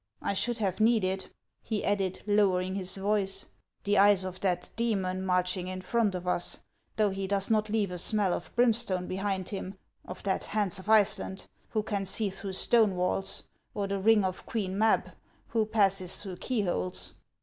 I should have needed," he added, lowering his voice, " the eyes of that demon marching in front of us, though lie does not leave a smell of brimstone behind him ; of that Hans of Iceland, who can see through stone walls; or the ring of Queen Mab, who passes through keyholes.